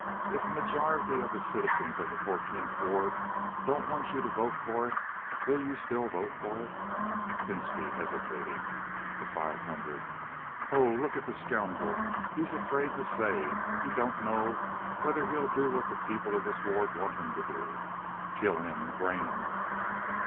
If a majority of the citizens of the Fourteenth Ward don't want you to vote for it, will you still vote for it?" Pinski (hesitating). The Five Hundred. "Ho! look at the scoundrel! He's afraid to say. He don't know whether he'll do what the people of this ward want him to do. Kill him! Brain him!"